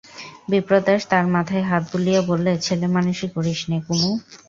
বিপ্রদাস তার মাথায় হাত বুলিয়ে বললে, ছেলেমানুষি করিস নে, কুমু।